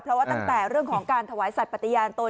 เพราะว่าตั้งแต่เรื่องของการถวายสัตว์ปฏิญาณตน